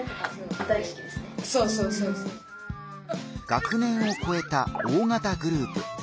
学年をこえた大型グループ。